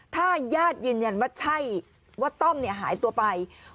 ถ้าญาติยืนยันว่าใช่ว่าต้อมหายตัวไป